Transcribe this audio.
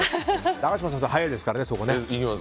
高嶋さんは早いですからね。